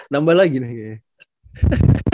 nambah lagi nih kayaknya